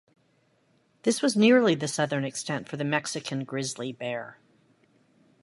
This was nearly the southern extent for the Mexican grizzly bear.